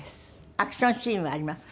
アクションシーンはありますか？